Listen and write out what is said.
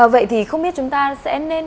vậy thì không biết chúng ta sẽ nên